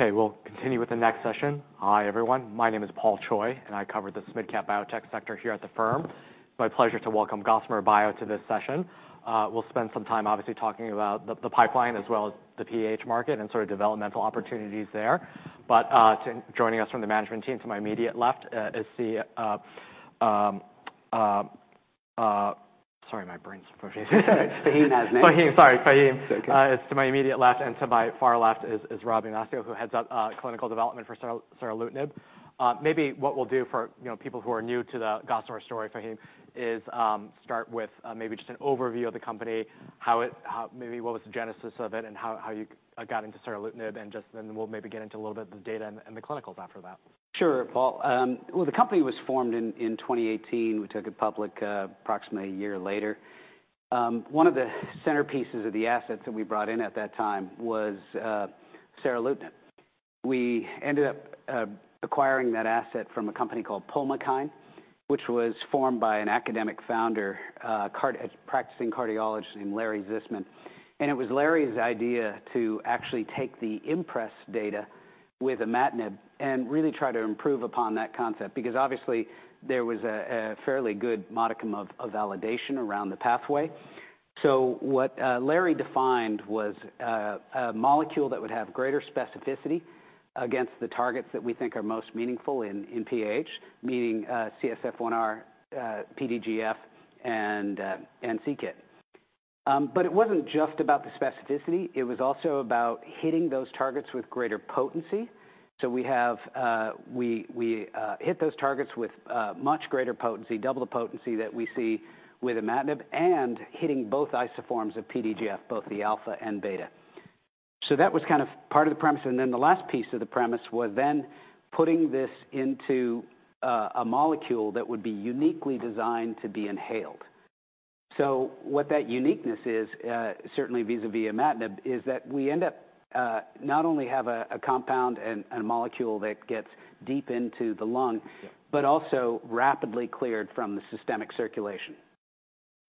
Okay, we'll continue with the next session. Hi, everyone. My name is Paul Choi, and I cover the Mid-Cap Biotech Sector here at the firm. It's my pleasure to welcome Gossamer Bio to this session. We'll spend some time obviously talking about the pipeline as well as the PAH market and sort of developmental opportunities there. But joining us from the management team to my immediate left is the, sorry, my brain's frozen. Faheem Hasnain. Faheem, sorry. Faheem- It's okay. To my immediate left, and to my far left is Rob Roscigno, who heads up clinical development for seralutinib. Maybe what we'll do for, you know, people who are new to the Gossamer story, Faheem, is start with maybe just an overview of the company, how it... How maybe what was the genesis of it and how you got into seralutinib, and just then we'll maybe get into a little bit of the data and the clinicals after that. Sure, Paul. Well, the company was formed in 2018. We took it public approximately a year later. One of the centerpieces of the assets that we brought in at that time was seralutinib. We ended up acquiring that asset from a company called Pulmokine, which was formed by an academic founder, practicing cardiologist named Larry Zisman. It was Larry's idea to actually take the IMPRES data with imatinib and really try to improve upon that concept, because obviously there was a fairly good modicum of validation around the pathway. So what Larry defined was a molecule that would have greater specificity against the targets that we think are most meaningful in PAH, meaning CSF1R, PDGF, and c-KIT. But it wasn't just about the specificity, it was also about hitting those targets with greater potency. So we have hit those targets with much greater potency, double the potency that we see with imatinib, and hitting both isoforms of PDGF, both the alpha and beta. So that was kind of part of the premise, and then the last piece of the premise was then putting this into a molecule that would be uniquely designed to be inhaled. So what that uniqueness is, certainly vis-a-vis imatinib, is that we end up not only have a compound and a molecule that gets deep into the lung but also rapidly cleared from the systemic circulation.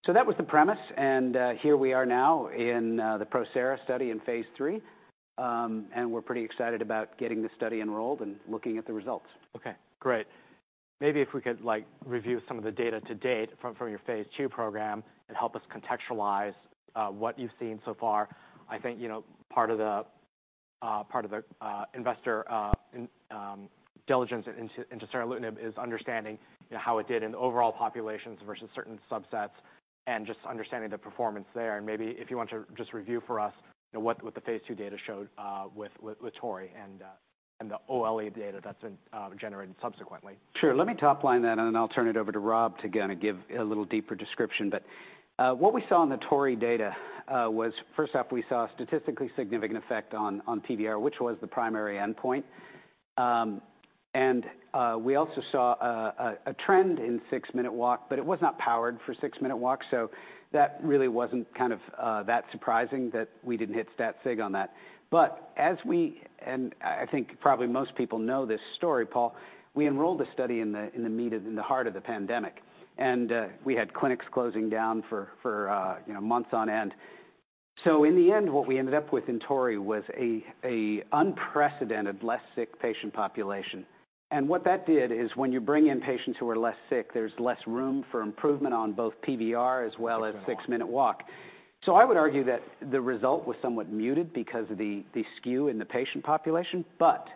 So that was the premise, and here we are now in the PROSERA study in phase III. And we're pretty excited about getting this study enrolled and looking at the results. Okay, great. Maybe if we could, like, review some of the data to date from your phase II program and help us contextualize what you've seen so far. I think, you know, part of the part of the investor in diligence into seralutinib is understanding, you know, how it did in the overall populations versus certain subsets and just understanding the performance there. And maybe if you want to just review for us, you know, what the phase II data showed with TORREY and the OLE data that's been generated subsequently. Sure. Let me top line that, and then I'll turn it over to Rob to kind of give a little deeper description. But what we saw in the TORREY data was, first up, we saw a statistically significant effect on PVR, which was the primary endpoint. And we also saw a trend in six-minute walk, but it was not powered for six-minute walk, so that really wasn't kind of that surprising that we didn't hit stat sig on that. I think probably most people know this story, Paul. We enrolled a study in the midst in the heart of the pandemic, and we had clinics closing down for you know, months on end. So in the end, what we ended up with in TORREY was an unprecedented, less sick patient population. What that did is when you bring in patients who are less sick, there's less room for improvement on both PVR as well as six-minute walk. So I would argue that the result was somewhat muted because of the skew in the patient population. But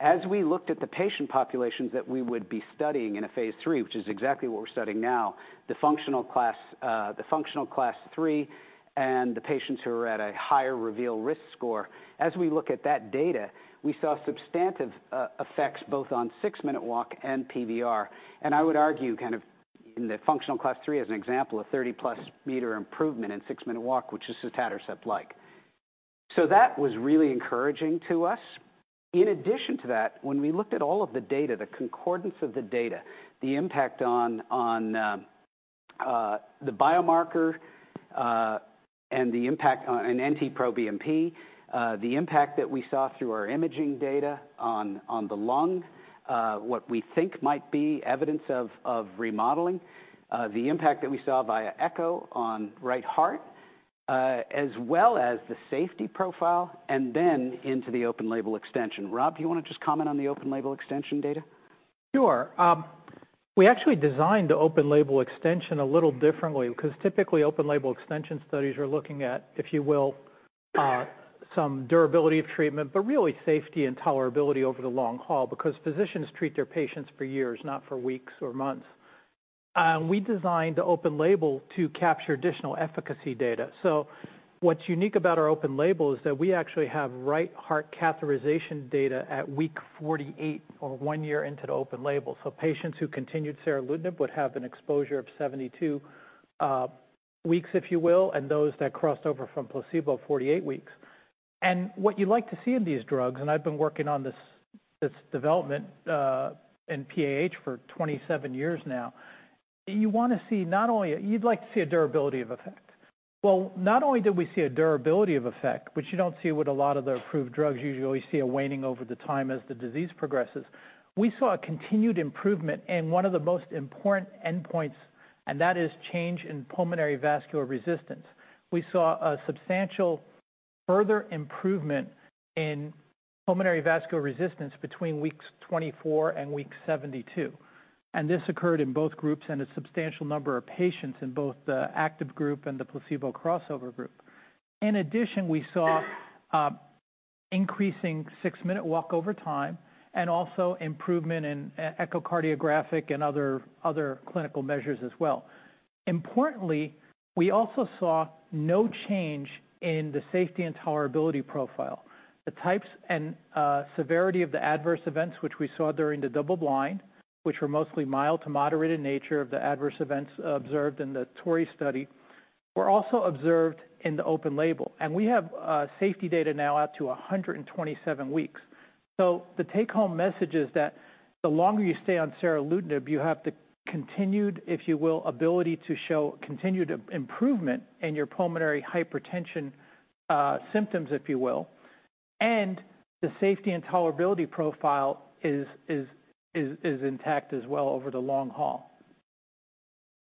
as we looked at the patient populations that we would be studying in a phase III, which is exactly what we're studying now, the functional class, the functional class III, and the patients who are at a higher REVEAL risk score, as we look at that data, we saw substantive effects both on six-minute walk and PVR. And I would argue, kind of in the functional class III, as an example, a 30+ meter improvement in six-minute walk, which is sotatercept-like. So that was really encouraging to us. In addition to that, when we looked at all of the data, the concordance of the data, the impact on the biomarker, and the impact on an NT-proBNP, the impact that we saw through our imaging data on the lung, what we think might be evidence of remodeling, the impact that we saw via echo on right heart, as well as the safety profile, and then into the Open Label Extension. Rob, do you want to just comment on the Open Label Extension data? Sure. We actually designed the Open Label Extension a little differently, because typically, Open Label Extension studies are looking at, if you will, some durability of treatment, but really safety and tolerability over the long haul, because physicians treat their patients for years, not for weeks or months. We designed the Open Label to capture additional efficacy data. So what's unique about our Open Label is that we actually have right heart catheterization data at week 48 or one year into the Open Label. So patients who continued seralutinib would have an exposure of 72 weeks, if you will, and those that crossed over from placebo, 48 weeks. And what you'd like to see in these drugs, and I've been working on this, this development, in PAH for 27 years now, you wanna see not only... You'd like to see a durability of effect. Well, not only did we see a durability of effect, which you don't see with a lot of the approved drugs, usually you see a waning over the time as the disease progresses. We saw a continued improvement in one of the most important endpoints, and that is change in pulmonary vascular resistance. We saw a further improvement in pulmonary vascular resistance between weeks 24 and week 72, and this occurred in both groups and a substantial number of patients in both the active group and the placebo crossover group. In addition, we saw increasing six-minute walk over time and also improvement in echocardiographic and other clinical measures as well. Importantly, we also saw no change in the safety and tolerability profile. The types and severity of the adverse events, which we saw during the double blind, which were mostly mild to moderate in nature of the adverse events observed in the TORREY study, were also observed in the Open Label, and we have safety data now out to 127 weeks. So the take home message is that the longer you stay on seralutinib, you have the continued, if you will, ability to show continued improvement in your pulmonary hypertension symptoms, if you will, and the safety and tolerability profile is intact as well over the long haul.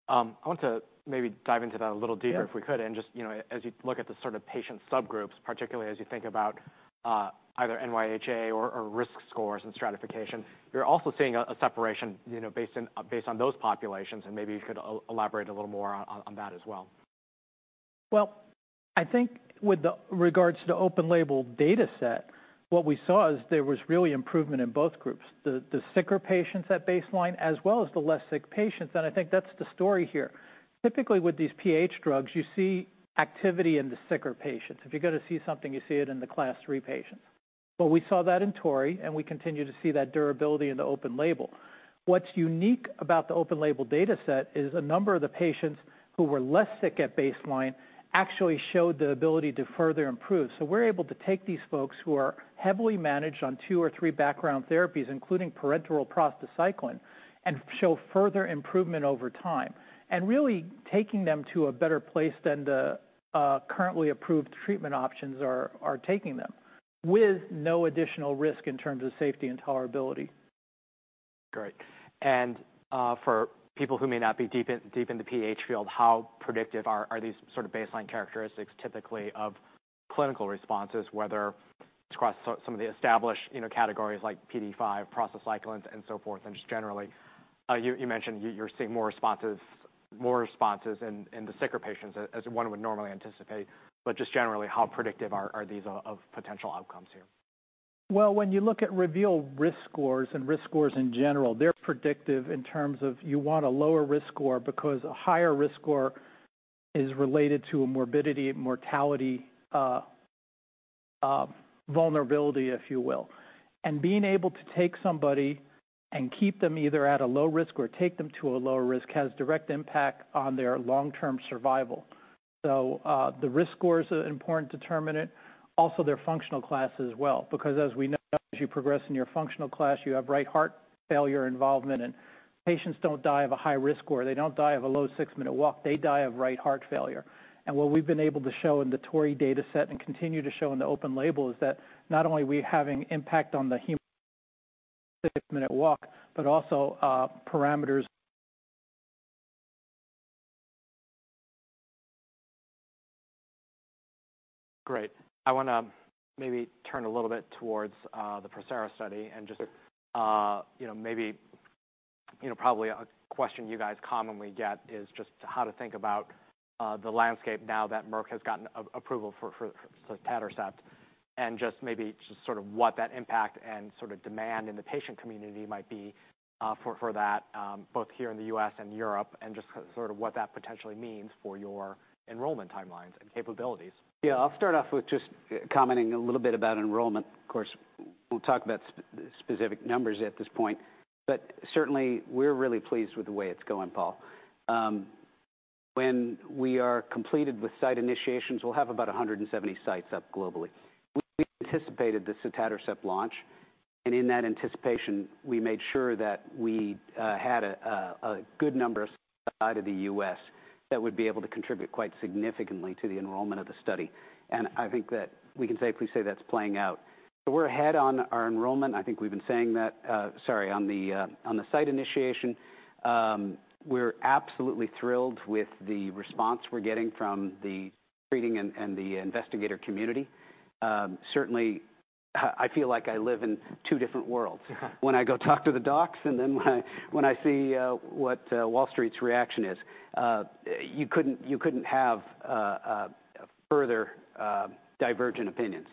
I want to maybe dive into that a little deeper. If we could, and just, you know, as you look at the sort of patient subgroups, particularly as you think about either NYHA or risk scores and stratification, you're also seeing a separation, you know, based on those populations, and maybe you could elaborate a little more on that as well? Well, I think with regards to the Open Label data set, what we saw is there was really improvement in both groups, the sicker patients at baseline, as well as the less sick patients, and I think that's the story here. Typically, with these PAH drugs, you see activity in the sicker patients. If you're going to see something, you see it in the class III patients. But we saw that in TORREY, and we continue to see that durability in the Open Label. What's unique about the Open Label data set is a number of the patients who were less sick at baseline actually showed the ability to further improve. We're able to take these folks who are heavily managed on two or three background therapies, including parenteral prostacyclin, and show further improvement over time, and really taking them to a better place than the currently approved treatment options are taking them, with no additional risk in terms of safety and tolerability. Great. For people who may not be deep in the PAH field, how predictive are these sort of baseline characteristics typically of clinical responses, whether across some of the established, you know, categories like PDE5, prostacyclins, and so forth, and just generally? You mentioned you're seeing more responses in the sicker patients as one would normally anticipate. But just generally, how predictive are these of potential outcomes here? Well, when you look at REVEAL risk scores and risk scores in general, they're predictive in terms of you want a lower risk score because a higher risk score is related to a morbidity, mortality, vulnerability, if you will. And being able to take somebody and keep them either at a low risk or take them to a lower risk, has direct impact on their long-term survival. So, the risk score is an important determinant. Also, their functional class as well, because as we know, as you progress in your functional class, you have right heart failure involvement, and patients don't die of a high risk score. They don't die of a low six-minute walk. They die of right heart failure. What we've been able to show in the TORREY data set and continue to show in the Open Label is that not only are we having impact on the human six-minute walk, but also parameters. Great. I want to maybe turn a little bit towards the PROSERA study and just, you know, maybe, you know, probably a question you guys commonly get is just how to think about the landscape now that Merck has gotten approval for sotatercept, and just maybe just sort of what that impact and sort of demand in the patient community might be for that both here in the U.S. and Europe, and just sort of what that potentially means for your enrollment timelines and capabilities? Yeah. I'll start off with just commenting a little bit about enrollment. Of course, we'll talk about specific numbers at this point, but certainly, we're really pleased with the way it's going, Paul. When we are completed with site initiations, we'll have about 170 sites up globally. We anticipated the sotatercept launch, and in that anticipation, we made sure that we had a good number outside of the U.S. that would be able to contribute quite significantly to the enrollment of the study. And I think that we can safely say that's playing out. So we're ahead on our enrollment. I think we've been saying that. Sorry, on the site initiation. We're absolutely thrilled with the response we're getting from the treating and the investigator community. Certainly, I feel like I live in two different worlds when I go talk to the docs and then when I see what Wall Street's reaction is. You couldn't have a further divergent opinions.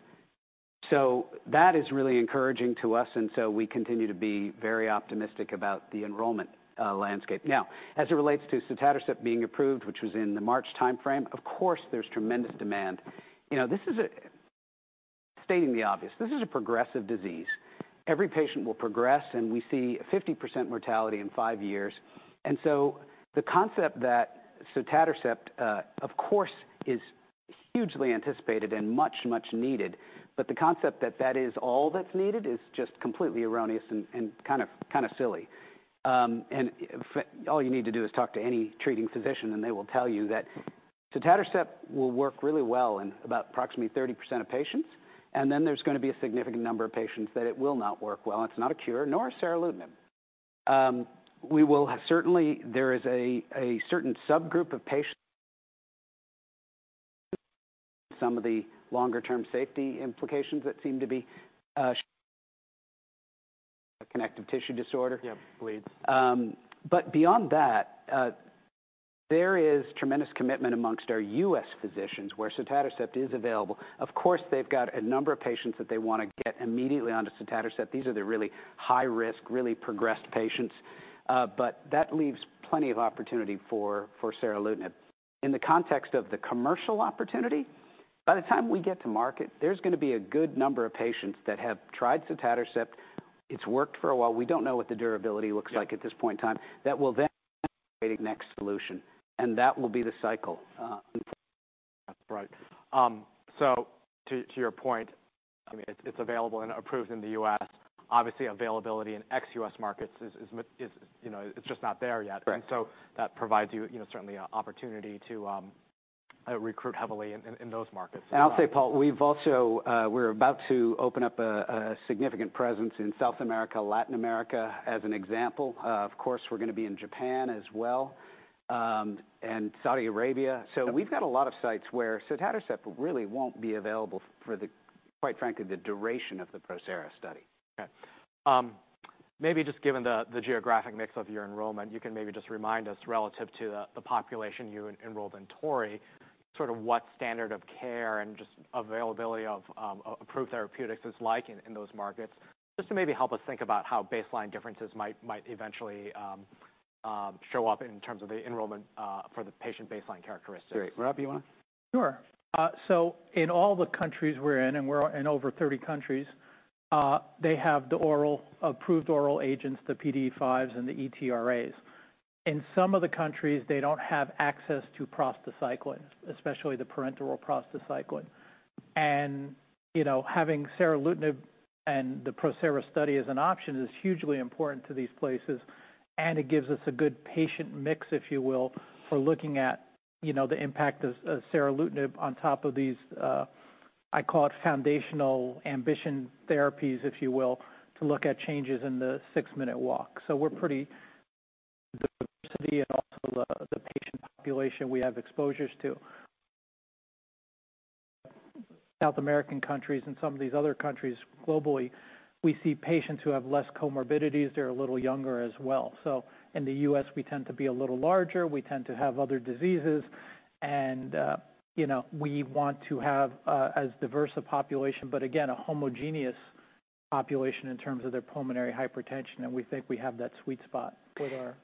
So that is really encouraging to us, and so we continue to be very optimistic about the enrollment landscape. Now, as it relates to sotatercept being approved, which was in the March timeframe, of course, there's tremendous demand. You know, this is a, stating the obvious, this is a progressive disease. Every patient will progress, and we see a 50% mortality in five years. And so the concept that sotatercept, of course, is hugely anticipated and much, much needed, but the concept that that is all that's needed is just completely erroneous and kind of silly. And all you need to do is talk to any treating physician, and they will tell you that sotatercept will work really well in about approximately 30% of patients, and then there's going to be a significant number of patients that it will not work well, and it's not a cure, nor is seralutinib. We will certainly, there is a certain subgroup of patients—some of the longer-term safety implications that seem to be connective tissue disorder. Yeah, bleeds. But beyond that, there is tremendous commitment among our U.S. physicians where sotatercept is available. Of course, they've got a number of patients that they want to get immediately onto sotatercept. These are the really high-risk, really progressed patients. But that leaves plenty of opportunity for, for seralutinib. In the context of the commercial opportunity, by the time we get to market, there's going to be a good number of patients that have tried sotatercept. It's worked for a while. We don't know what the durability looks like At this point in time. That will then creating next solution, and that will be the cycle. That's right. So to your point, I mean, it's available and approved in the U.S. Obviously, availability in ex-U.S. markets is, you know, it's just not there yet. Right. And so that provides you, you know, certainly an opportunity to recruit heavily in those markets. I'll say, Paul, we've also. We're about to open up a significant presence in South America, Latin America, as an example. Of course, we're going to be in Japan as well, and Saudi Arabia. So we've got a lot of sites where sotatercept really won't be available for, quite frankly, the duration of the PROSERA study. Okay. Maybe just given the geographic mix of your enrollment, you can maybe just remind us, relative to the population you enrolled in TORREY, sort of what standard of care and just availability of approved therapeutics is like in those markets. Just to maybe help us think about how baseline differences might eventually show up in terms of the enrollment for the patient baseline characteristics. Great. Rob, you want to? Sure. So in all the countries we're in, and we're in over 30 countries, they have the oral, approved oral agents, the PDE5s and the ETRAs. In some of the countries, they don't have access to prostacyclin, especially the parenteral prostacyclin. And, you know, having seralutinib and the PROSERA study as an option is hugely important to these places, and it gives us a good patient mix, if you will, for looking at, you know, the impact of seralutinib on top of these, I call it foundational combination therapies, if you will, to look at changes in the six-minute walk. So we're pretty diverse and also the patient population we have exposure to. South American countries and some of these other countries, globally, we see patients who have less comorbidities. They're a little younger as well. So in the U.S., we tend to be a little larger. We tend to have other diseases, and, you know, we want to have as diverse a population, but again, a homogeneous population in terms of their pulmonary hypertension, and we think we have that sweet spot with our,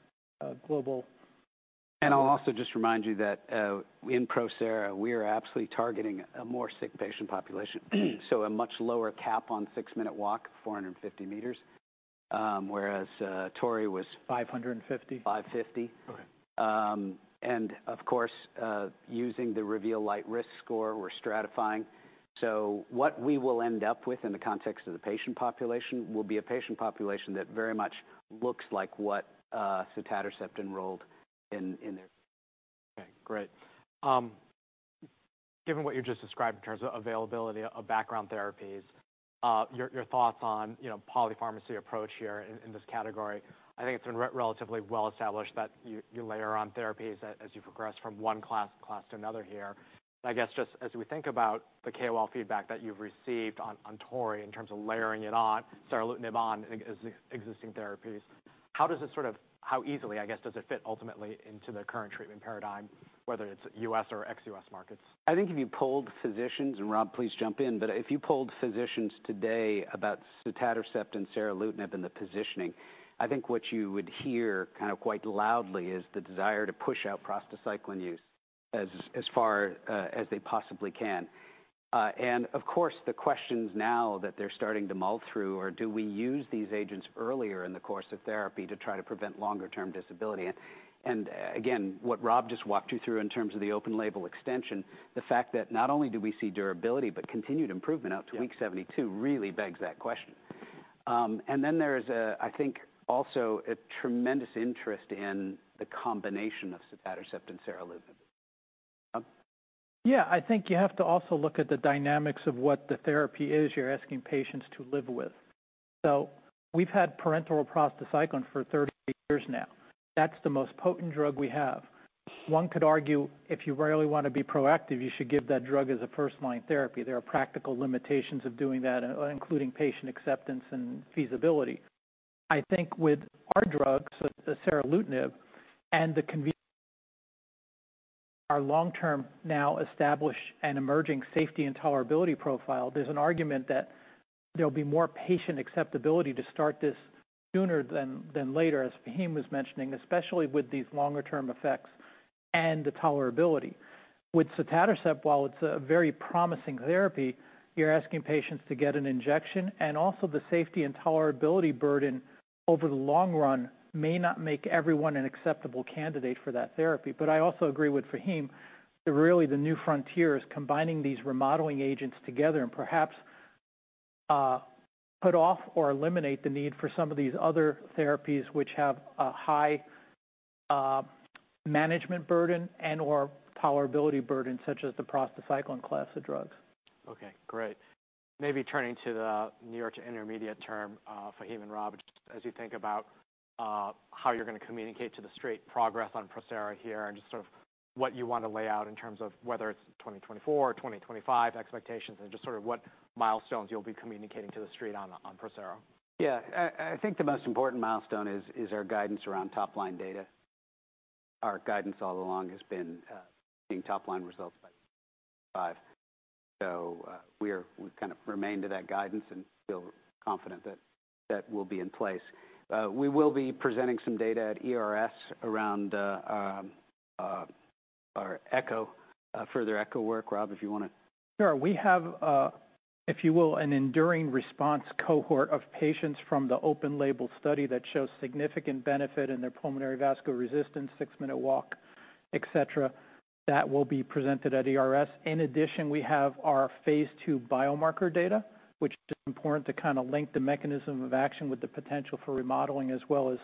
global. I'll also just remind you that, in PROSERA, we are absolutely targeting a more sick patient population. A much lower cap on six-minute walk, 450 meters, whereas TORREY was- 550 meters. 550 meters. Okay. And of course, using the REVEAL Lite risk score, we're stratifying. So what we will end up with in the context of the patient population, will be a patient population that very much looks like what, sotatercept enrolled in, in their. Okay, great. Given what you just described in terms of availability of background therapies, your thoughts on, you know, polypharmacy approach here in this category. I think it's been relatively well established that you layer on therapies as you progress from one class to another here. I guess, just as we think about the KOL feedback that you've received on TORREY, in terms of layering it on, seralutinib on existing therapies, how does this sort of... How easily, I guess, does it fit ultimately into the current treatment paradigm, whether it's U.S. or ex-U.S. markets? I think if you polled physicians, and Rob, please jump in, but if you polled physicians today about sotatercept and seralutinib and the positioning, I think what you would hear kind of quite loudly is the desire to push out prostacyclin use as far as they possibly can. And, of course, the questions now that they're starting to mull through are: Do we use these agents earlier in the course of therapy to try to prevent longer-term disability? And, again, what Rob just walked you through in terms of the Open Label Extension, the fact that not only do we see durability, but continued improvement out to week 72 really begs that question. And then there's a, I think, also a tremendous interest in the combination of sotatercept and seralutinib. Rob? Yeah, I think you have to also look at the dynamics of what the therapy is you're asking patients to live with. So we've had parenteral prostacyclin for 30 years now. That's the most potent drug we have. One could argue, if you really want to be proactive, you should give that drug as a first-line therapy. There are practical limitations of doing that, including patient acceptance and feasibility. I think with our drugs, with the seralutinib and the convenience... Our long-term now establish an emerging safety and tolerability profile. There's an argument that there'll be more patient acceptability to start this sooner than, than later, as Faheem was mentioning, especially with these longer-term effects and the tolerability. With sotatercept, while it's a very promising therapy, you're asking patients to get an injection, and also the safety and tolerability burden over the long run may not make everyone an acceptable candidate for that therapy. But I also agree with Faheem, that really the new frontier is combining these remodeling agents together and perhaps put off or eliminate the need for some of these other therapies, which have a high management burden and/or tolerability burden, such as the prostacyclin class of drugs. Okay, great. Maybe turning to the near to intermediate term, for even Rob, just as you think about, how you're going to communicate to the Street progress on PROSERA here, and just sort of what you want to lay out in terms of whether it's 2024 or 2025 expectations, and just sort of what milestones you'll be communicating to the Street on, on PROSERA. Yeah. I think the most important milestone is our guidance around top-line data. Our guidance all along has been seeing top-line results by 5. So, we've kind of remained to that guidance and feel confident that that will be in place. We will be presenting some data at ERS around our echo, further echo work. Rob, if you want to- Sure. We have, if you will, an enduring response cohort of patients from the Open Label study that shows significant benefit in their pulmonary vascular resistance, six-minute walk, et cetera. That will be presented at ERS. In addition, we have our phase II biomarker data, which is important to kind of link the mechanism of action with the potential for remodeling as well as,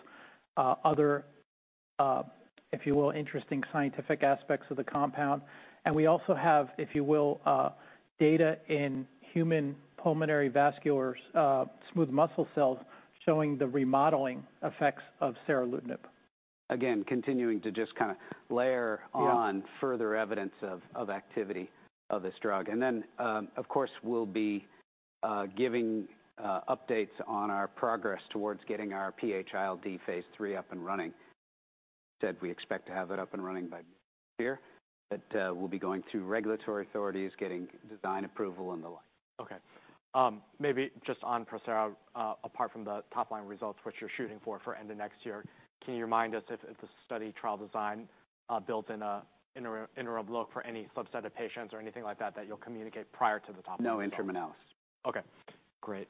other, if you will, interesting scientific aspects of the compound. And we also have, if you will, data in human pulmonary vascular smooth muscle cells showing the remodeling effects of seralutinib. Again, continuing to just kind of layer on further evidence of, of activity of this drug. And then, of course, we'll be giving updates on our progress towards getting our PH-ILD phase III up and running. Said we expect to have it up and running by here, but we'll be going through regulatory authorities, getting design approval, and the like. Okay. Maybe just on PROSERA, apart from the top-line results, which you're shooting for, for end of next year, can you remind us if the study trial design builds in an interim look for any subset of patients or anything like that, that you'll communicate prior to the top? No interim analysis. Okay, great.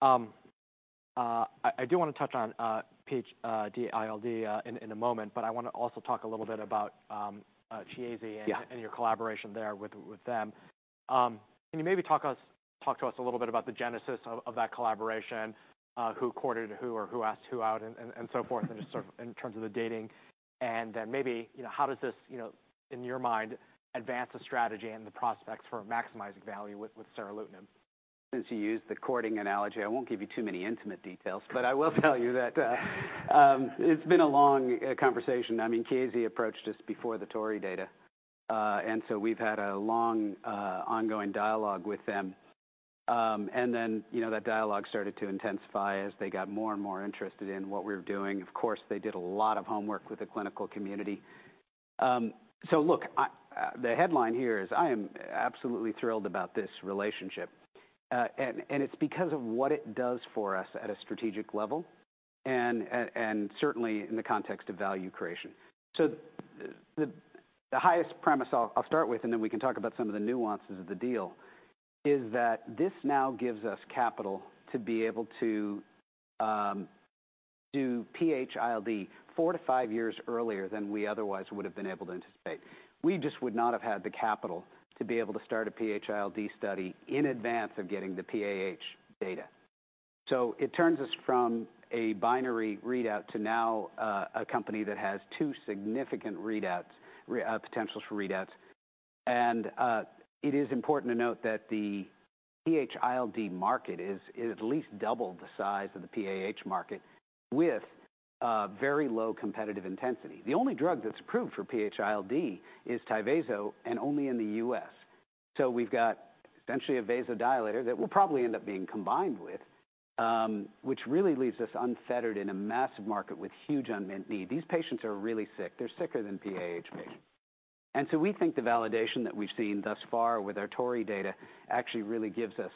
I do want to touch on PH-ILD in a moment, but I want to also talk a little bit about Chiesi- Yeah And your collaboration there with them. Can you maybe talk to us a little bit about the genesis of that collaboration? Who courted who, or who asked who out and so forth, and just sort of in terms of the dating. And then maybe, you know, how does this, you know, in your mind, advance the strategy and the prospects for maximizing value with seralutinib? Since you used the courting analogy, I won't give you too many intimate details, but I will tell you that it's been a long conversation. I mean, Chiesi approached us before the TORREY data. And so we've had a long ongoing dialogue with them. And then, you know, that dialogue started to intensify as they got more and more interested in what we were doing. Of course, they did a lot of homework with the clinical community. So look, the headline here is, I am absolutely thrilled about this relationship, and it's because of what it does for us at a strategic level and, and, and certainly in the context of value creation. So the highest premise I'll start with, and then we can talk about some of the nuances of the deal, is that this now gives us capital to be able to do PH-ILD 4-5 years earlier than we otherwise would have been able to anticipate. We just would not have had the capital to be able to start a PH-ILD study in advance of getting the PAH data. So it turns us from a binary readout to now a company that has two significant readouts potentials for readouts. And it is important to note that the PH-ILD market is at least double the size of the PAH market, with very low competitive intensity. The only drug that's approved for PH-ILD is TYVASO, and only in the U.S. So we've got essentially a vasodilator that will probably end up being combined with, which really leaves us unfettered in a massive market with huge unmet need. These patients are really sick. They're sicker than PAH patients. And so we think the validation that we've seen thus far with our TORREY data actually really gives us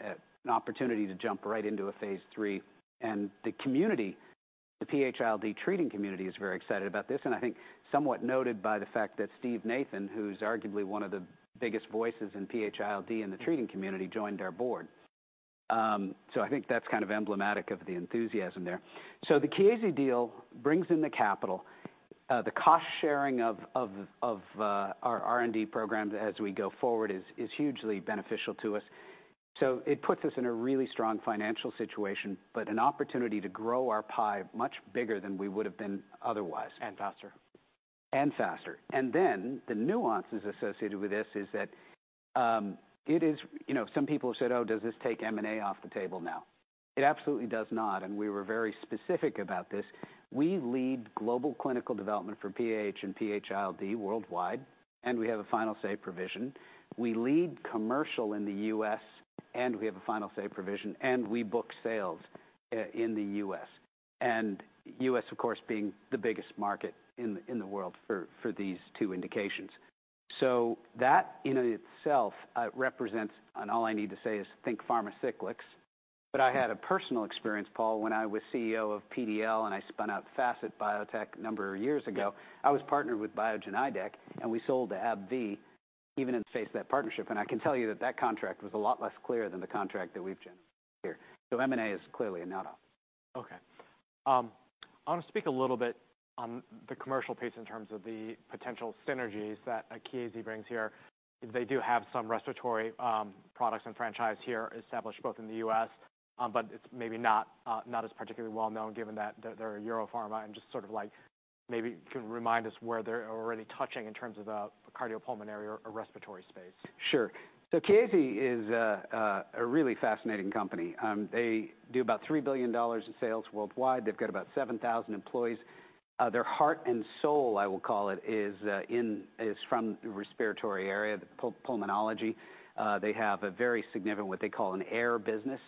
an opportunity to jump right into a phase III. And the community, the PH-ILD treating community, is very excited about this, and I think somewhat noted by the fact that Steven Nathan, who's arguably one of the biggest voices in PH-ILD in the treating community, joined our board. So I think that's kind of emblematic of the enthusiasm there. So the Chiesi deal brings in the capital. The cost sharing of our R&D programs as we go forward is hugely beneficial to us. It puts us in a really strong financial situation, but an opportunity to grow our pie much bigger than we would have been otherwise. And faster. And faster. And then the nuances associated with this is that, it is... You know, some people have said, "Oh, does this take M&A off the table now?" It absolutely does not, and we were very specific about this. We lead global clinical development for PAH and PH-ILD worldwide, and we have a final say provision. We lead commercial in the U.S., and we have a final say provision, and we book sales in the U.S. And U.S., of course, being the biggest market in the world for these two indications. So that in itself represents, and all I need to say is think Pharmacyclics. But I had a personal experience, Paul, when I was CEO of PDL, and I spun out Facet Biotech a number of years ago. Yeah. I was partnered with Biogen Idec, and we sold to AbbVie, even in the face of that partnership. And I can tell you that that contract was a lot less clear than the contract that we've generated here. So M&A is clearly a no-no. Okay. I want to speak a little bit on the commercial piece in terms of the potential synergies that Chiesi brings here. They do have some respiratory products and franchise here established both in the U.S. but it's maybe not as particularly well known, given that they're a European pharma and just sort of like, maybe you can remind us where they're already touching in terms of the cardiopulmonary or respiratory space. Sure. So Chiesi is a really fascinating company. They do about $3 billion in sales worldwide. They've got about 7,000 employees. Their heart and soul, I will call it, is from the respiratory area, the pulmonology. They have a very significant, what they call an air business,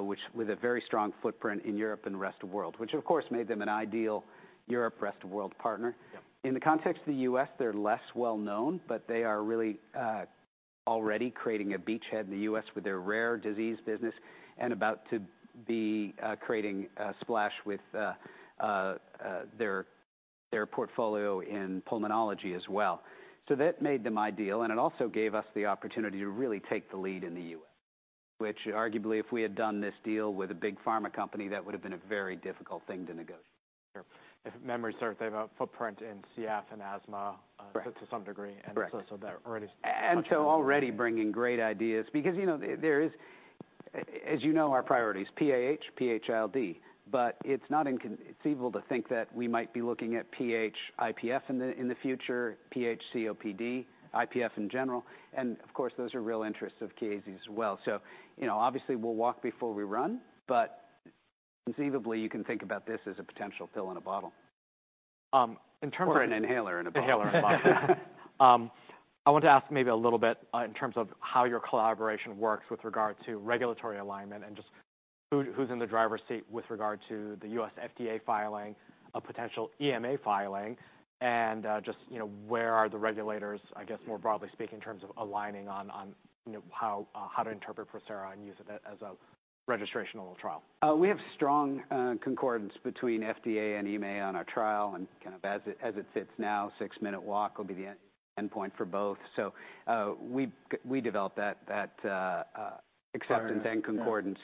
which with a very strong footprint in Europe and the rest of world, which, of course, made them an ideal Europe, rest of world partner. Yep. In the context of the U.S., they're less well known, but they are really already creating a beachhead in the U.S. with their rare disease business and about to be creating a splash with their portfolio in pulmonology as well. So that made them ideal, and it also gave us the opportunity to really take the lead in the U.S., which arguably, if we had done this deal with a big pharma company, that would've been a very difficult thing to negotiate. Sure. If memory serves, they have a footprint in CF and asthma to some degree. Correct. And so they're already- And so already bringing great ideas because, you know, there is, as you know, our priorities, PAH, PH-ILD, but it's not inconceivable, it's viable to think that we might be looking at PH-IPF in the future, PH-COPD, IPF in general, and of course, those are real interests of Chiesi as well. So you know, obviously we'll walk before we run, but conceivably, you can think about this as a potential pill in a bottle. In terms of- Or an inhaler in a bottle. An inhaler in a bottle. I want to ask maybe a little bit, in terms of how your collaboration works with regard to regulatory alignment and just who, who's in the driver's seat with regard to the U.S. FDA filing, a potential EMA filing, and, just, you know, where are the regulators, I guess, more broadly speaking, in terms of aligning on, on, you know, how, how to interpret PROSERA and use it as a registrational trial? We have strong concordance between FDA and EMA on our trial, and kind of as it, as it sits now, six-minute walk will be the endpoint for both. So, we developed that, acceptance and concordance,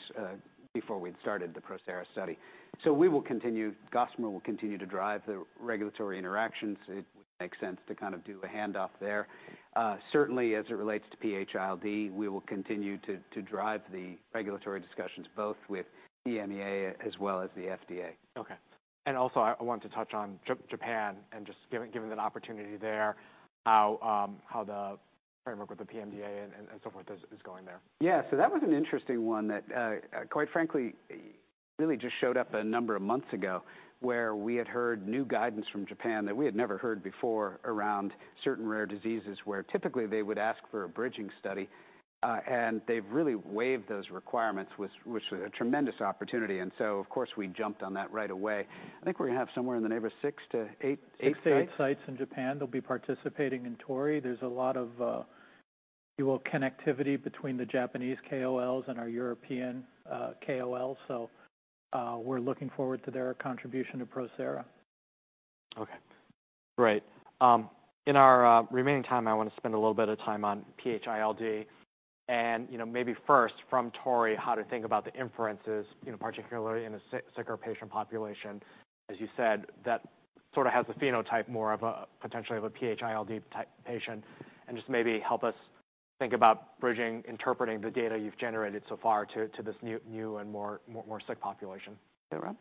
before we'd started the PROSERA study. So we will continue, Gossamer will continue to drive the regulatory interactions. It would make sense to kind of do a handoff there. Certainly, as it relates to PH-ILD, we will continue to drive the regulatory discussions, both with EMA as well as the FDA. Okay. And also, I want to touch on Japan and just given an opportunity there, how the framework with the PMDA and so forth is going there. Yeah, so that was an interesting one that, quite frankly, really just showed up a number of months ago, where we had heard new guidance from Japan that we had never heard before around certain rare diseases, where typically they would ask for a bridging study, and they've really waived those requirements, which, which is a tremendous opportunity. And so of course, we jumped on that right away. I think we're gonna have somewhere in the neighborhood of 6-8 sites? Eight sites in Japan. They'll be participating in TORREY. There's a lot of connectivity between the Japanese KOLs and our European KOLs, so we're looking forward to their contribution to PROSERA. Okay, great. In our remaining time, I want to spend a little bit of time on PH-ILD and, you know, maybe first from Tori, how to think about the inferences, you know, particularly in a sicker patient population, as you said, that sort of has a phenotype, more of a, potentially of a PH-ILD type patient. And just maybe help us think about bridging, interpreting the data you've generated so far to this new and more sick population. Is that right?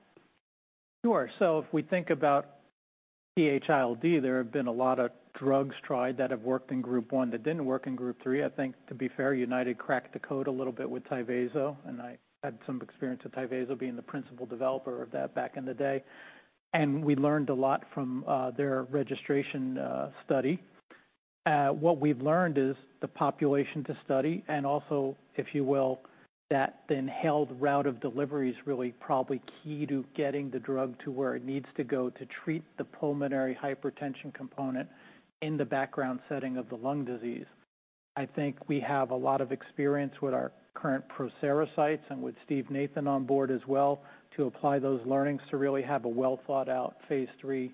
Sure. So if we think about PH-ILD, there have been a lot of drugs tried that have worked in Group 1, that didn't work in Group 3. I think, to be fair, United cracked the code a little bit with TYVASO, and I had some experience with TYVASO, being the principal developer of that back in the day, and we learned a lot from their registration study. What we've learned is the population to study and also, if you will, that the inhaled route of delivery is really probably key to getting the drug to where it needs to go to treat the pulmonary hypertension component in the background setting of the lung disease. I think we have a lot of experience with our current PROSERA sites and with Steven Nathan on board as well, to apply those learnings to really have a well-thought-out phase III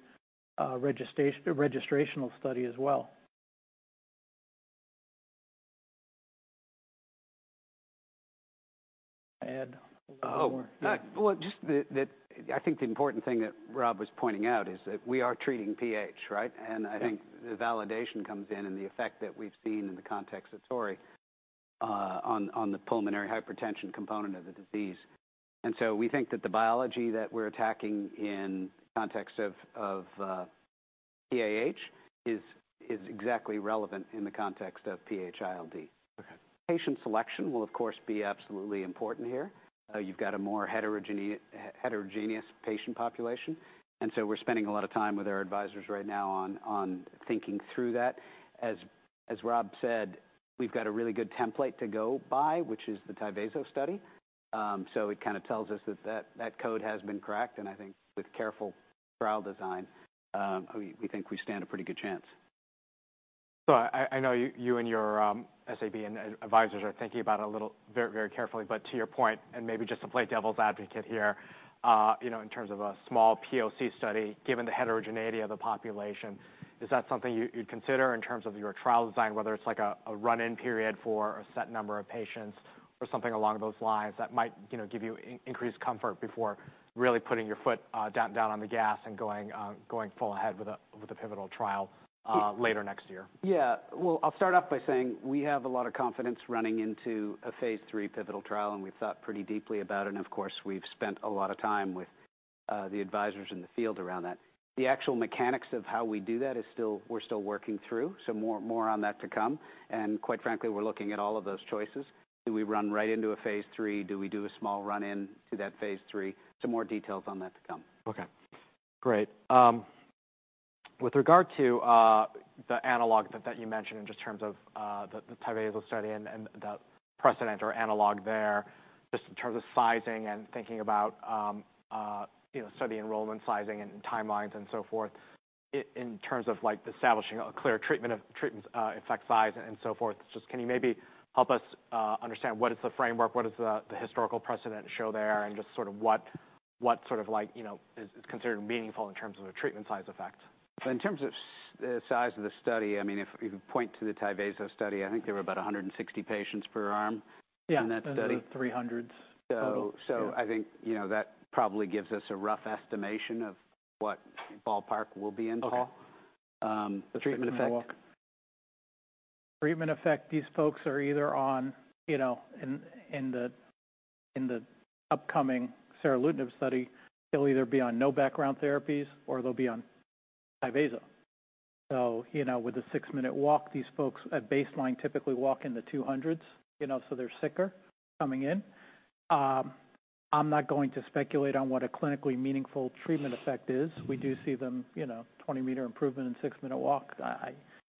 registrational study as well. Add a little more? Oh, well, just the important thing that Rob was pointing out is that we are treating PH, right? Yeah. And I think the validation comes in and the effect that we've seen in the context of TORREY on the pulmonary hypertension component of the disease. And so we think that the biology that we're attacking in context of PAH is exactly relevant in the context of PH-ILD. Okay. Patient selection will, of course, be absolutely important here. You've got a more heterogeneous patient population, and so we're spending a lot of time with our advisors right now on thinking through that. As Rob said, we've got a really good template to go by, which is the TYVASO study. So it kind of tells us that code has been cracked, and I think with careful trial design, we think we stand a pretty good chance. So I know you and your SAB and advisors are thinking about it a little, very, very carefully. But to your point, and maybe just to play devil's advocate here, you know, in terms of a small POC study, given the heterogeneity of the population, is that something you'd consider in terms of your trial design? Whether it's like a run-in period for a set number of patients or something along those lines that might, you know, give you increased comfort before really putting your foot down on the gas and going full ahead with a pivotal trial later next year. Yeah. Well, I'll start off by saying we have a lot of confidence running into a phase III pivotal trial, and we've thought pretty deeply about it and of course, we've spent a lot of time with the advisors in the field around that. The actual mechanics of how we do that is still, we're still working through, so more, more on that to come, and quite frankly, we're looking at all of those choices. Do we run right into a phase III? Do we do a small run-in to that phase III? Some more details on that to come. Okay, great. With regard to the analog that you mentioned in just terms of the TYVASO study and the precedent or analog there, just in terms of sizing and thinking about, you know, study enrollment sizing and timelines and so forth, in terms of, like, establishing a clear treatment effect size and so forth, just can you maybe help us understand what is the framework? What does the historical precedent show there, and just sort of what, what sort of like, you know, is considered meaningful in terms of a treatment effect size? In terms of the size of the study, I mean, if you point to the TYVASO study, I think there were about 160 patients per arm in that study. 300. So, I think, you know, that probably gives us a rough estimation of what ballpark we'll be in, Paul. Okay. The treatment effect. Treatment effect, these folks are either on, you know, in the upcoming seralutinib study, they'll either be on no background therapies or they'll be on TYVASO. So, you know, with a six-minute walk, these folks at baseline typically walk in the 200s, you know, so they're sicker coming in. I'm not going to speculate on what a clinically meaningful treatment effect is. We do see them, you know, 20-meter improvement in six-minute walk.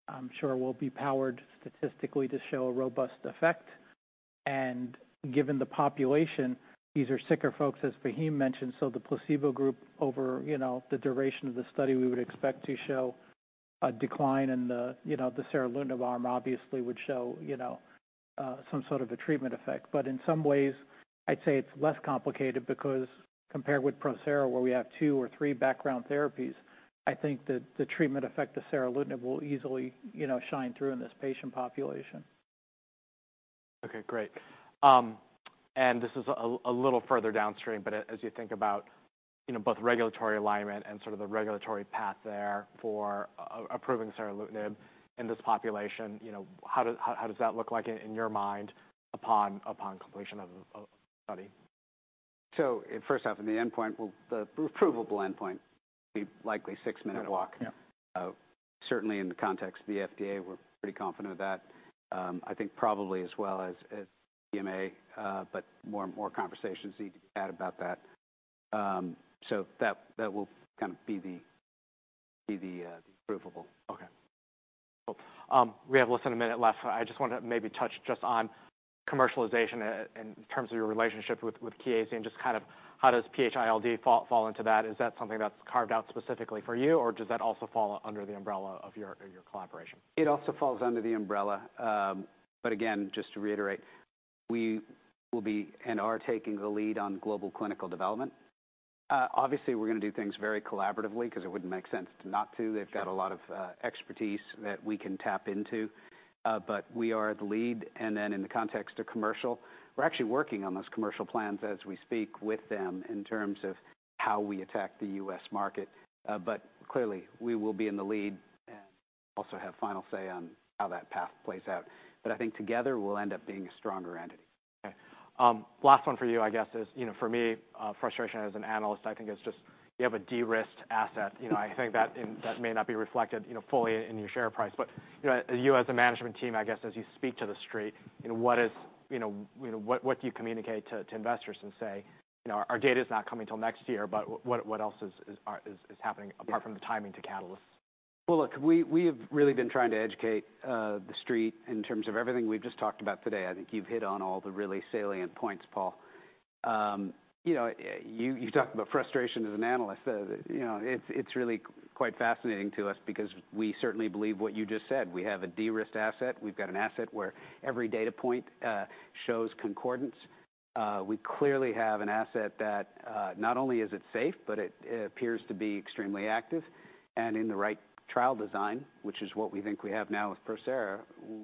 I'm sure will be powered statistically to show a robust effect, and given the population, these are sicker folks, as Faheem mentioned, so the placebo group over, you know, the duration of the study, we would expect to show a decline in the, you know, the seralutinib arm obviously would show, you know, some sort of a treatment effect. But in some ways, I'd say it's less complicated because compared with PROSERA, where we have two or three background therapies, I think that the treatment effect of seralutinib will easily, you know, shine through in this patient population. Okay, great. This is a little further downstream, but as you think about, you know, both regulatory alignment and sort of the regulatory path there for approving seralutinib in this population, you know, how does that look like in your mind upon completion of study? First off, in the endpoint, well, the approvable endpoint will be likely six-minute walk. Yeah. Certainly in the context of the FDA, we're pretty confident of that. I think probably as well as EMA, but more conversations need to be had about that. So that will kind of be the approvable. Okay. We have less than a minute left. I just want to maybe touch just on commercialization in terms of your relationship with Chiesi, and just kind of how does PH-ILD fall into that? Is that something that's carved out specifically for you, or does that also fall under the umbrella of your collaboration? It also falls under the umbrella, but again, just to reiterate, we will be and are taking the lead on global clinical development. Obviously, we're gonna do things very collaboratively because it wouldn't make sense to not to. They've got a lot of expertise that we can tap into, but we are at the lead. And then in the context of commercial, we're actually working on those commercial plans as we speak with them in terms of how we attack the U.S. market. But clearly, we will be in the lead and also have final say on how that path plays out. But I think together will end up being a stronger entity. Okay. Last one for you, I guess, is, you know, for me, frustration as an analyst, I think it's just you have a de-risked asset. You know, I think that may not be reflected, you know, fully in your share price, but, you know, you as a management team, I guess, as you speak to the Street, you know, what is, you know, what do you communicate to investors and say, "You know, our data is not coming till next year, but what else is happening apart from the timing to catalysts? Well, look, we have really been trying to educate the Street in terms of everything we've just talked about today. I think you've hit on all the really salient points, Paul. You know, you talked about frustration as an analyst. You know, it's really quite fascinating to us because we certainly believe what you just said. We have a de-risked asset. We've got an asset where every data point shows concordance. We clearly have an asset that not only is it safe, but it appears to be extremely active and in the right trial design, which is what we think we have now with PROSERA.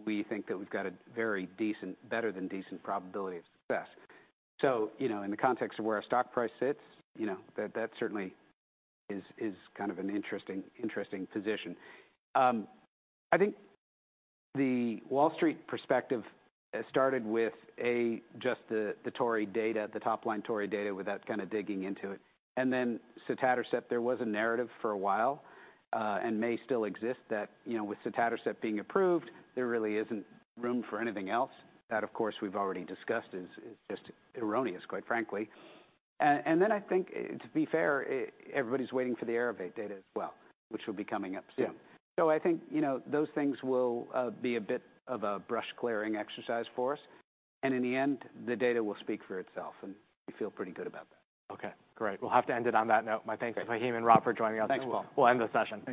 We think that we've got a very decent, better than decent probability of success. So, you know, in the context of where our stock price sits, you know, that, that certainly is, is kind of an interesting, interesting position. I think the Wall Street perspective started with a, just the, the TORREY data, the top-line TORREY data, without kind of digging into it. And then sotatercept, there was a narrative for a while, and may still exist, that, you know, with sotatercept being approved, there really isn't room for anything else. That, of course, we've already discussed, is, is just erroneous, quite frankly. And, and then I think, to be fair, everybody's waiting for the Aerovate data as well, which will be coming up soon. Yeah. I think, you know, those things will be a bit of a brush-clearing exercise for us, and in the end, the data will speak for itself, and we feel pretty good about that. Okay, great. We'll have to end it on that note. Thanks. My thanks to Faheem and Rob for joining us. Thanks, Paul. We'll end the session. Thank you.